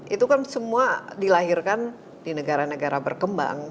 itu kan semua dilahirkan di negara negara berkembang